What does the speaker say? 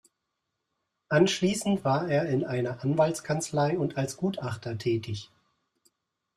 Anschließend war er in einer Anwaltskanzlei und als Gutachter tätig.